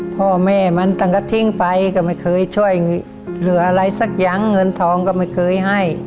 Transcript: พ่อแม่มันตั้งกระทิ้งไปก็ไม่เคยช่วยเหลืออะไรสักอย่างเงินทองก็ไม่เคยให้